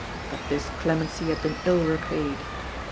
But this clemency had been ill repaid.